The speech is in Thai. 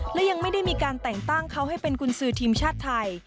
และยังไม่ได้มีการแต่งตั้งเขาให้เป็นกุญสือทีมชาติไทย